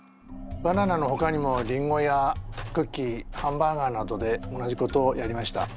バナナのほかにもリンゴやクッキーハンバーガーなどで同じことをやりました。